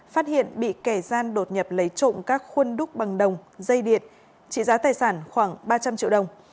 phát hiện bị kẻ gian đột nhập lấy trộm các khuôn đúc bằng đồng dây điện trị giá tài sản khoảng ba trăm linh triệu đồng